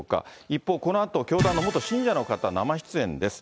一方、このあと、教団の元信者の方、生出演です。